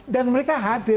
dan mereka hadir